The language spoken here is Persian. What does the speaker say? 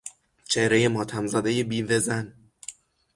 چهرهی ماتمزدهی بیوه زن